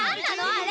あれ！